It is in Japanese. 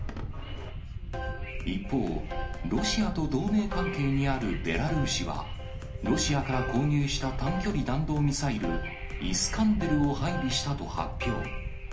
一方、ロシアと同盟関係にあるベラルーシは、ロシアから購入した短距離弾道ミサイル、イスカンデルを配備したと発表。